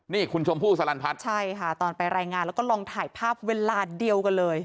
นี่คุณชมพู่สลันพัฒน์ใช่ค่ะตอนไปรายงานแล้วก็ลองถ่ายภาพเวลาเดียวกันเลย